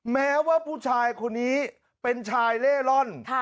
แม้ว่าผู้ชายคนนี้เป็นชายเล่ร่อน